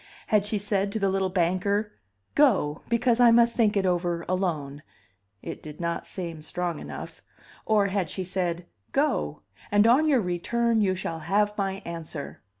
Had she said to the little banker, Go, because I must think it over alone? It did not seem strong enough. Or had she said, Go, and on your return you shall have my answer?